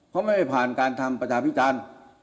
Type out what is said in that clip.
เพราะไม่ได้ผ่านการทำประชาพิจารณ์